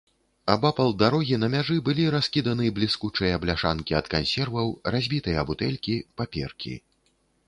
Абапал дарогі на мяжы былі раскіданы бліскучыя бляшанкі ад кансерваў, разбітыя бутэлькі, паперкі.